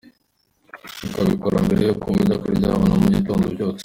Ukabikora mbere y’uko ujya kuryama, na mu gitondo ubyutse.